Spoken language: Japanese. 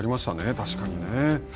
確かにね。